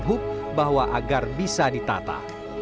menyelesaikan manhub bahwa agar bisa ditata